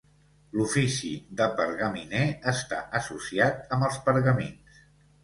L'ofici de pergaminer està associat amb els pergamins.